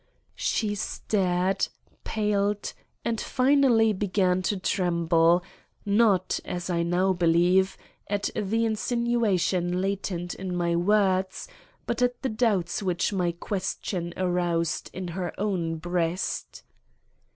She stared, paled, and finally began to tremble, not, as I now believe, at the insinuation latent in my words, but at the doubts which my question aroused in her own breast.